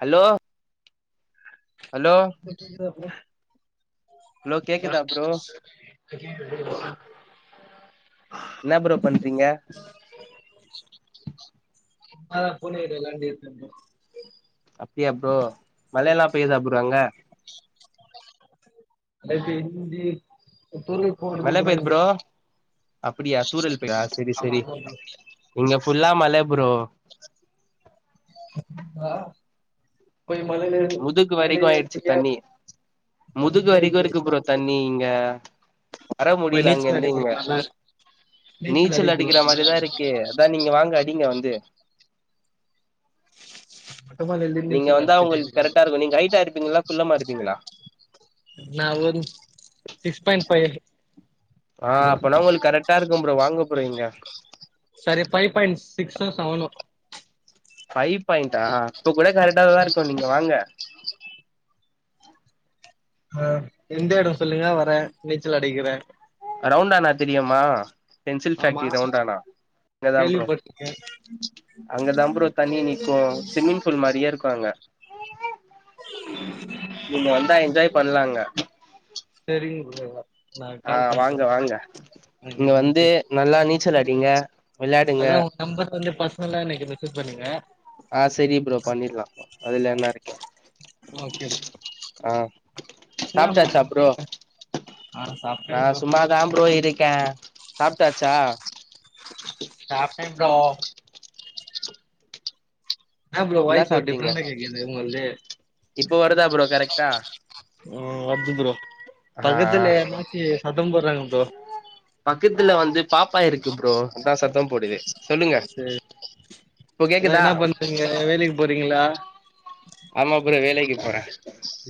Hello hello Vicky இரோப்ல hello கேக்குதா sir [unintelligible] என்னா ப்ரோ பண்றீங்க அதா பூனையோட விளாண்டு இருக்க ப்ரோ அப்டியா ப்ரோ மழையெல்லா பேயுதா ப்ரோ அங்க லைட்டா இஞ்சி துருவி போடதுக்கு மழை பெய்யுது கூப்பிறாயிங்க ப்ரோ அப்டியா தூரல் பெய்தா செரி செரி இங்க ஃபுல்லா மழ ப்ரோ ஆ போய் மழேருந் முதுகு மழே வரைக்கு ஆயிடுச்சு தண்ணி [unintelligible] முதுகு வரைக்கு இருக்கு ப்ரோ தண்ணி இங்க வர போய் முடியல அங்க நீச்சல் இருந்து இங்க அடிக்கிறோம் நல்லா இருக்கு. நீச்சல் அடிக்கிறோம் அடிக்கிற நல்லா இருக்கு. மாரிதாருக்கு அதா நீங்க வாங்க அடிங்க வந்து இது மொட்டை மலையில நீங்க நீச்சல் வந்தா அடிச்சுட்டே உங்களுக்கு கரெக்டா இருக்கு நீங்க ஹைட்டா இருப்பீங்களா குள்ளமா இருப்பீங்களா நா ஒரு சிக்ஸ் பாயிண்ட் ஃபைவ் ஆ ப்ரோ அப்பனா உங்களுக்கு கரெக்ட்டா இருக்கு ப்ரோ வாங்க ப்ரோ இங்க சரி ஃபைவ் பாயிண்ட் சிக்ஸோ செவனோ ஃபைவ் பாயிண்ட்டா அப்ப கூட கரெக்ட தா இருக்கு நீங்க வாங்க அ எந்த எடோ சொல்லுங்க வர நீச்சல் அடிக்கிற ரவுண்டானா தெரியுமா பென்சில் ஆமா ஃபேக்ட்ரி ரவுண்டாணா இங்கதா ப்ரோ கேள்விப்பட்டிருக்கேன் அங்கதா ப்ரோ தண்ணி நிக்கு சிவிம்மிங் ஃபூல் மாரியே இருக்கு அங்க நீங்க வந்தா என்ஜாய் பண்லா அங்க செரிங் ப்ரோ நா அ கால் பண்றே வாங்க வாங்க அங்க இங்க வந்து வந்துட்டு நல்லா நீச்சல் அடிங்க விளாடுங்க அதா உங்க நம்பர் வந்து பர்ஸ்னலா இன்னைக்கு விசிட் பண்ணுங்க அ சரி ப்ரோ பண்ணிறலா அதுல என்ன இருக்கு ஓகே ப்ரோ ஆ என்னா ப்ரோ பண்றீங்க ஆ சாப்ட்டே நா ப்ரோ சும்மா தா ப்ரோ இருக்க சாப்ட்டாச்சா சாப்ட்ட ப்ரோ என்னா ப்ரோ என்ன வாய்ஸ் ஒரு சாப்ட்டீங்க டிஃப்ரெண்டா கேக்குது உங்கள்து இப்போ வருதா ப்ரோ கரெக்டா [unintelligible] ம் வருது ப்ரோ ஆ பக்கத்துல யார்னாச்சி சத்தம் போட்றாங்க ப்ரோ பக்கத்துல வந்து பாப்பா இருக்கு ப்ரோ அதா சத்தம் போடுது சொல்லுங்க சேரி இப்போ அதா என்ன கேக்குதா என்னா பண்றீங்க வேலைக்கு போறீங்களா ஆமா ப்ரோ வேலைக்கு போறே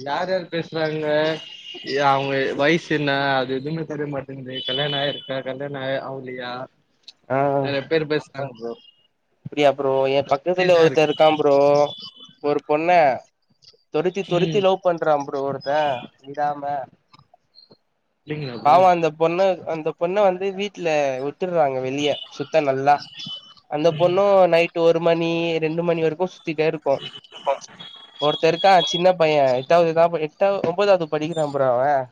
யார் யார் பேசுறாங்க அவுங்க வயசு என்ன எதுவுமே தெரிய மாட்டேங்குது கல்யாண ஆயிருக்கா கல்யாண அ ஆவுலயா ஆ நெறைய பேரு பேசுனாங்க ப்ரோ அப்டியா ப்ரோ என் பக்கத்துலயே கன்ஃப்யூஸா ஒருத்தே இருக்கு இருக்கா ப்ரோ ஒரு பொண்ண தொரத்தி தொரத்தி ம் லவ் பண்றா ப்ரோ ஒருத்த விடாம அப்டிங்களா ப்ரோ பாவோ அந்த பொண்ணு அந்த பொண்ண வந்து வீட்ல விட்டுறாங்க வெளிய சுத் த்த நல்லா அந்த பொண்ணு நைட் ஒரு மணி ரெண்டு மணி வரைக்கு சுத்திட்டே இருக்கு ஒருத்தே இருக்கா சின்ன பைய எட்டாது தா படி எட்டா ஒன்ப ஒன்பதாவது படிக்கிறா ப்ரோ அவன்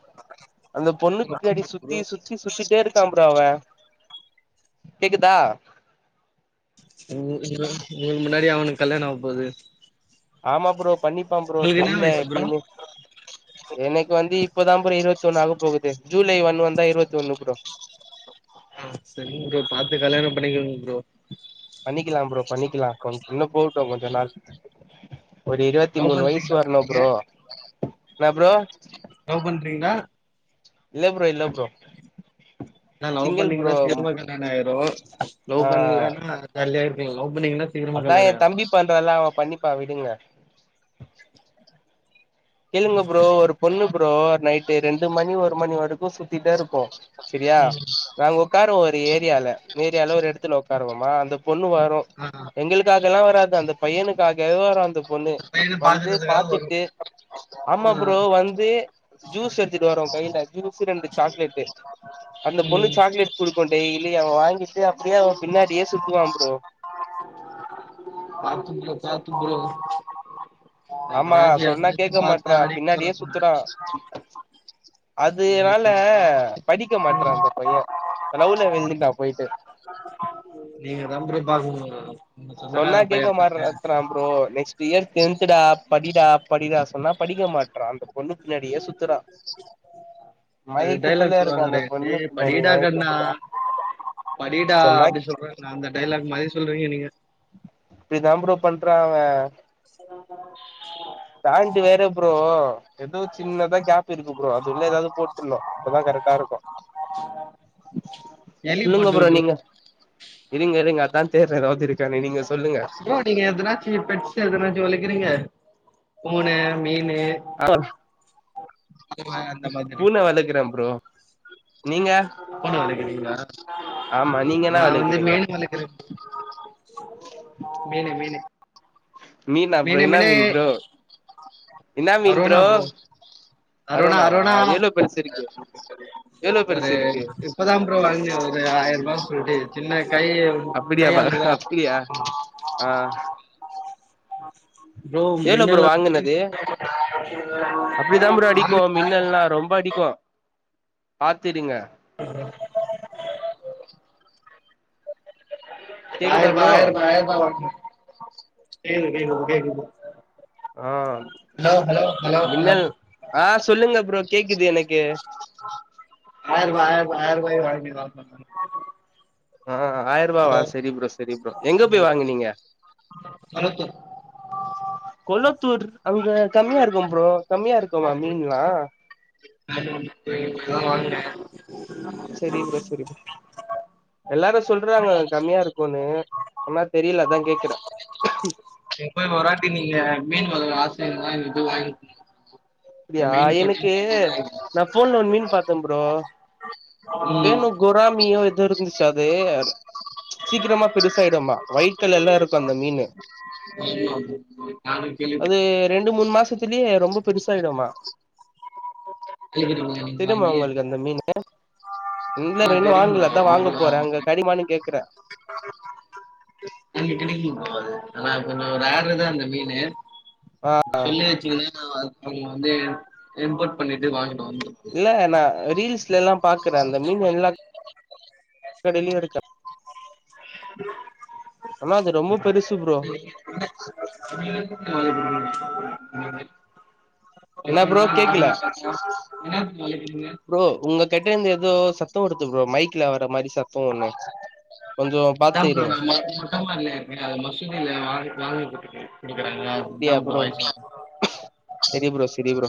அந்த னாடி சுத்தி ப்ரோ சுத்தி சுத்திட்டே இருக்கான் ப்ரோ அவே கேக்குதா உ உங்களுக்கு முன்னாடி அவனுக்கு கல்யாண ஆக போது ஆமா ப்ரோ பண்ணிப்பான் ப்ரோ உங்களுக்கு என்ன தெரியல வயசு ப்ரோ எப்டின்னு எனக்கு வந்து இப்பதா ப்ரோ இருவத்தொண்ணு ஆக போகுது ஜூலை ஒண்ணு வந்தா இருவத்தொண்ணு ப்ரோ செரிங் ப்ரோ பாத்து கல்யாணம் பண்ணிக்கங்க ப்ரோ பண்ணிக்கலாம் ப்ரோ பண்ணிக்கலா கொ இன்னு போட்டு கொஞ்ச நாள் ஒரு இருவத்தி லவ் மூணு வயசு பண்றீங்களா வரணு நீங்க ப்ரோ என்னா ப்ரோ லவ் பண்றீங்களா இல்ல ப்ரோ இல்ல ப்ரோ நா லவ் சிங்கிள் ப்ரோ பண்ணீங்கன்னா சீக்கிரமா கல்யாண ஆயிரு ஆ லவ் பண்ணலன்னா ஜாலியா இருப்பீங்க லவ் பண்ணீங்கன்னா சீக்கிரமா அதா எ கல்யாண ஆயிரு தம்பி பண்றான்ல அவ பண்ணிப்பான் விடுங்க கேளுங்க ப்ரோ ஒரு பொண்ணு ப்ரோ நைட்டு ரெண்டு மணி ஒரு மணி வரைக்கு சுத் சிட்டேருப்போ செரியா ம் நாங்க உக்காருவோ ஒரு ஏ ரியால ஏரியால ஒரு இடத்துல உக்காருவமா அந்த பொண்ணு வரு ஆ எங்களுக்காகல்லா வராது அந்த பையனுக்காகவே வரு அந்த பொண்ணு இந்த பையன வந்து பாக்குறதுக்காக ஒரு பாத்துட்டு ஆமா ஆ ப்ரோ வந்து ஜூஸ் எடுத்துட்டு வரு கையில ஜூஸு ரெண்டு சாக்லேட்டு அந்த பொண்ணு ம் சாக்லேட் குடுக்கு டெய்லியு அவ வாங்கிட்டு அப்டியே அவ பின்னாடியே சுத்துவா ப்ரோ பாத்து ப்ரோ பாத்து ப்ரோ ஆமா எங்கனாச்சு சொன்னா யார்னாச்சு கேக்க பாத்து மாட்றா அடிக்க பின்னாடியே போறாங்க சுத்துறா நீங்க அதுனால கொஞ்ச பாத்து படிக்க மாட்றா அந்த பைய லவ்ல விழுந்துட்டா போயிட்டு [inaudible] நீங்கதா ப்ரோ பாக்கணு உங்க சொன்னா சொந்தக்கார பைய கேக்க மாட்ரா த்தரா ப்ரோ நெக்ஸ்ட் இயர் டென்த்டா படிடா படிடா சொன்னா படிக்க மாட் றான் அந்த பொண்ணு பின்னாடியே சுத்துறா அது டைலாக் மயக்கத்துல இருக்கா சொல்லுவாங்கலே அந்த பொண்ணு டேய் பின்னாடி படிடா கண்ணா மயக்கத்துல படிடா சொன்னா அப்டி சொல்றே நா அந்த டைலாக் மாரி சொல்றீங்க நீங்க இப்டிதா ப்ரோ பண்றா அவன் உ [inaudible] பேண்ட்டு வேற ப்ரோ எதோ சின்னதா கேப் இருக்கு ப்ரோ அது உள்ள எதாவது போட்ரணு அப்பதா கரெக்டா இருக்கு எலி சொல்லுங்க போட்டு ப்ரோ உட்ரு நீங்க இருங்க இருங்க அதா தேட்றே எதாவது இருக்கானு நீங்க சொல்லுங்க எதாச்சு பெட்ஸ் எதுனாச்சு வளக்கிறீங்க பூனை மீனு ஆ [inaudible] பூனை வளக்குறே ப்ரோ நீங்க பூனை வளக்கிறீங்கலா ஆமா நீங்க என்ன நா வந்து வளக்குறீங்க மீன் வளக்கிறே மீனு மீனு மீனா ப்ரோ மீனு என்ன மீனு மீன் ப்ரோ என்னா மீன் ப்ரோ அரோணா அரோனாவா அரோணா எவ்ளோ பெருசு இருக்கு எவ்ளோ ஒரு பெருசு இருக்கு இப்பதா ப்ரோ வாங்கி இது ஆயரூபாய் சொல்லி சின்ன கை அப்படியாப்பா கையளவு அப்படியா தா ஆ ப்ரோ எவ்ளோ ப்ரோ மின்னல் அடி வாங்குனது [inaudible] ன்னலா ரொம்ப அடிக்கு பாத்து இருங்க ஹாய் ப்ரோ கேக்குதா ஆயரூபா ப்ரோ ஆயரூபா ஆயரூபா வாங்குன கேக்குது கேக்குது ப்ரோ கேக்குது ப்ரோ ஆ ஹலோ மின்னல் ஆ சொல்லுங்க ப்ரோ கேக்குது எனக் கே போய் வாங்கிட்டு வா [unintelligible] ஆ ஆயரூவா வா செரி ப்ரோ செரி ப்ரோ எங்க போய் வாங்குனீங்க கொலத்தூர் கொல்லத்தூர் அங்க கம்மியா இருக்கு ப்ரோ கம்மியா இருக்குமா மீன்லா அது ஒன்னுக்கு கிராம் வாங்ன செரி ப்ரோ செரி எல்லாரு சொல்ற சொல்றாங்க கம்மியா இருக்குனு ஆனா தெரியில அதா கேக்கிற நீங்க போய் வராட்டி நீங்க மீன் வளக்கள ஆச இருந்தா நீங்க போய் வாய்ங். அப்டியா எனக்கு நா ஃபோன்ல ஒன் மீன் பாத்த ப்ரோ ம் பேனு குறாமீயோ ஏதோ இருந்துச்சி அது சீக்கிரமா பெருசு ஆயிடுமா வயிட் கலர்லருக்கு அந்த மீனு. ஆமா நானு அது கேள்விப்பட்டே ரெண்டு மூன் மாசத்திலியே ரொம்ப பெருசு சரிதாமா கேள்விப்பட்டீங்களா நீங்க தெர்யுமா வாங்கி உங்கள்க்கு அந்த மீனு ஏ இல்ல ஆ ப்ரோ இன்னு தெரியும் வாங்கல ப்ரோ அதா வாங்க ஒரு போற அங்க கெடைக்காமானு கேக்குற அங்க கெடைக்கு அது ஆனா கொஞ்சோ ஒரு ரேருதா அந்த மீனு சொல்லி வெச்சிகினு ஆ அவுங்க வந்து இம்போட் பண்ணிட்டு வாங்க இல்ல நா ரீல்ஸ்ல எல்லா பாக்குற அந்த மீன் எல்லா கடையிலியு இருக்கு ஆனா அது ரொம்ப பெருசு ப்ரோ ஆ பச என்ன ப்ரோ கேக்கல என்னா மீன் வளக்குறீங்க கெட்டந்து ஏதோ சத்தோ வருது ப்ரோ மைக்ல வர்ற மாரி சத்தோ ஒண்ணு கொஞ்சோ அதா பாத்து ப்ரோ இருங்க நா மொ மொட்ட மாடில இருக்கற அதா மசூதில ஆடர் ஆடரு போட்டுருக்கே. குடுக்குறாங்க அதுதா ப்ரோ வாய்ஸ் செரி ப்ரோ செரி ப்ரோ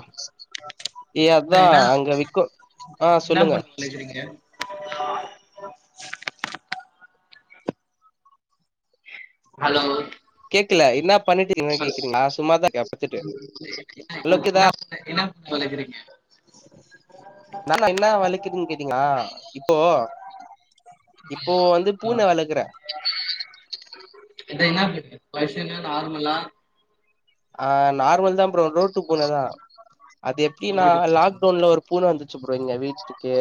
ஏ அதா அங்க விக்கு ஆ ஸ் என்னா பூன வளக்குறீங்க ஹலோ கேக்கல என்னப் அது இப்ப என்னா ஓகேதா பூன என்னா வளக்கறீங்க ந நா என்ன வளக்கிறின் கேட்டீங்ளா இப்போ இப்போ வந்து அ பூன வளக்குற. இது என்ன பூன பர்ஸியனா நார்மலா ஆ நார்மல் தா ப்ரோ ரோட்டு பூன தா அது எப்டினா லாக்டவுன்ல ஒரு பூன வந்துச்சி ப் ரோ எங்க வீட்டுக்கே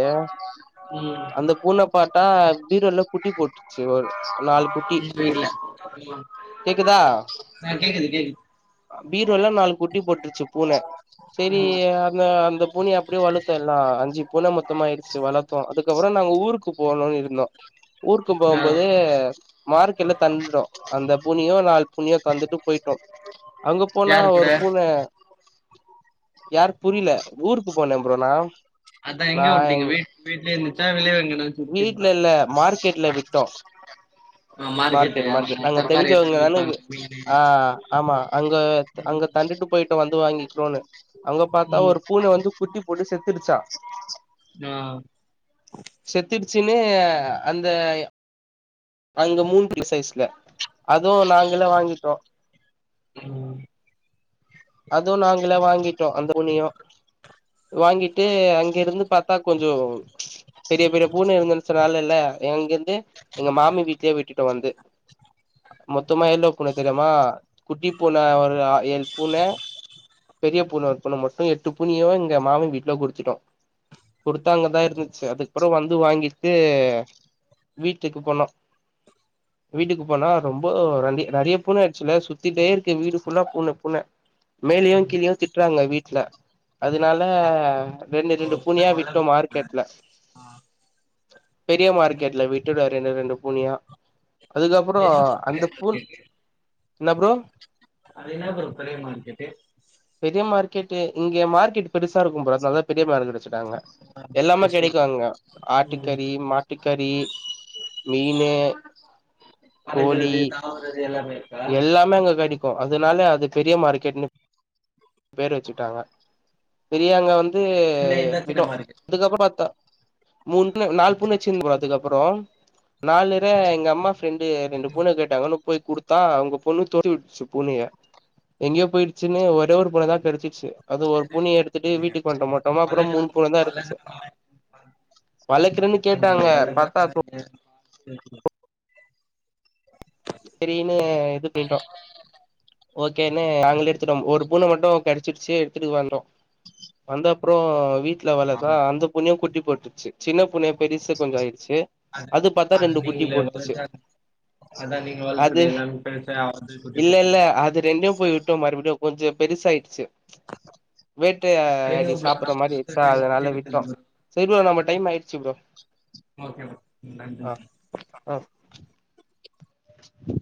ம் அந்த பூன பாத்தா பீரோல்ல குட்டி போட்ருச்சி ஒரு நாலு குட்டி இப்போ இல்ல கேக்குதா ஆ கேக்குது கேக்குது அ பீரோல நாலு குட்டி போட்ருச்சு பூன செரி ம் அந்த அந்த பூனைய அப்டியே வளத்தெல்லா அஞ்சு பூன மொத்தமாய்டுச்சி வளத்தோ. அதுக்கப்றோ நாங்க ஊருக்கு போலான் இருந்தோ. ஊர்க்கு ஆ போவும்போது மார்க்கெட்ல தண்டுடு அந்த பூனியு நால் பூனியு தந்துட்டு போய்ட்டோ. அங்க போனா யாரு கூட ஒரு பூன யார் புரில ஊருக்கு போன ப்ரோ நா. அதா நா எங்க எ விட்டீங்க வீட் வீட்லயே இருந்துச்சா வெளிய எங்கனாச்சு வீட்ல விட்டீங்களா இல்ல மார்க்கெட்ல விட்டோ. ஆ மார்க்கெட்டு மார்க்கெட் மார்க்கெட் அங்க நாங்க தக்காளி எல்லா தெரிஞ்சவங்க தான வே விப்பாங்க மீனு ஆ ஆமா. அங்க ம் அங்க தண்டுட்டு போய்ட்டு வந்து வாங்கிக்ணுனுஅங்க பாத்தா ம் ஒரு பூன வந்து குட்டி போட்டு செத்துடுச்சா ஆ செத்துடுச்சுன்னு அந்த அங்க மூண் [inaudible] சைஸ்ல அதுவு நாங்களே வாங்கிட்டோ ம் அதுவு நாங்ளே வாங்கிட்டோ அந்த பூனயு வாங்கிட்டு அங்கெருந்து பாத்தா கொஞ்சோ பெரிய பெரிய பூன இருந்துன் சொன்னாலில்ல எங்கெருந்து எங்க மாமி வீட்லயே விட்டுட்டே வந்து மொத்தமா எவ்ளோக்குன்னு தெரிமா குட்டி பூன ஒரு ஆ ஏழ் பூன பெரிய பூன ஒரு பூன மட்டு எட்டு பூனியு எங்க மாமி வீட்ல குடுத்துட்டோ குடுத்தா அங்கதா இருந்துச்சு அதுக்கப்றோ வந்து வாங்கிட்டு வீட்டுக்கு போனோ வீட்டுக்கு போனா ரொம்போ ரண்டி நெறைய பூன ஆய்ச்சுல்ல சுத்திட்டேருக்கு வீடு ஃபுல்லா பூன பூன மேலயு கீழியு திட்றாங்க வீட்ல அதனால ரெண்டு ரெண்டு பூனயா விட்டோ ஆ மார்க்கெட்ல பெரிய மார்க்கெட்ல விட்டுவே ரெண்டு ரெண்டு பூனியா அது அதுக்கப்றோ என்ன ப்ரோ பெரிய அந்த பூன் மார்க்கெட்டு என்னா ப்ரோ அது என்ன ப்ரோ பெரிய மார்கெட்டு ட்டுட்டு இங்க மார்க்கெட் பெருசாருக்கு ப்ரோ அத்னால தா பெரிய மார்க்கெட் வச்சுட்டாங்க எல்லாமே கிருஷ்ணா கெடைக்கு அங்க ம் ஆட்டுக்கறி மாட்டுக் கறி மீனு பறக்குறது கோழி தாவுரது எல்லாமே இருக்கா கோ அதனால அது பெரிய மார்க்கெட்னு பேர் வச்சுட்டாங்க பெரியாங்க வந் து இல்ல இதா சின்ன விட்டோ மார்க்கெட் அதுக்கப்றோ பாத்தா மூண்பூன நால் பூன வச்சிருந்தே ப்ரோ அதுக்கப்றோ நால்நிறைய எங்கம்மா ஃப்ரெண்டு ரெண்டு பூன கேட்டாங்கனு போய் குடுத் தா அவுங்க பொண்ணு தொர்த்தி வுட்ச்சு பூனய எங்கயோ போய்ட்ச்சுன்னு ஒரே ஒரு பூன தா கெடச்சிச்சு அது ஒரு பூனிய எடுத்துட்டு வீட்டுக்கு வன்ட்டோ மொட்டமா அப்றோ பழகுற மூண் பூன தாருந்துச்சு பழகுற மார்க்கெட் வளக்கறன் கேட்டாங்க அது பாத்தா [inaudible] செரின்னு எது பேய்ட்டோ ஓகேனு நாங்களே எடுத்துட்டோ ஒரு பூன மட்டு கெட ச்சிருச்சே எடுத்துட்டு வந்தோ வந்தப்றோ வீட்ல வளக்க அந்த பூனயு குட்டி போட்ருச்சு சின்ன பூனயு பெரிசு கொஞ்சோ ஆயிடுச்சு அது பாத்தா ரெண்டு குட்டி நீங்களே போட்டுச்சு வளர்த்து அதா நீங்க அது வளர்த்தது எல்லாமே பெருசா ஆவுது குட்டி குட்டி இல்லெல்ல அது ரெண்டியு போய் விட்டோ மறுப்டியு கொஞ்சோ பெருசாயிட்ச்சு சரிங்க வேட்டயாடி ப்ரோ சாப்புற நமக்கு மாரி குடுத்த ஸோ டைம் முடிஞ்சு அதனால விட்டது விட்டோ ப்ரோ சரி ப்ரோ நம்ம டைம் ஆய்ருச்சு ப்ரோ ஓகே ப்ரோ நன்றி ஆ ஆ